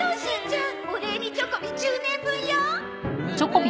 お礼にチョコビ１０年分よ！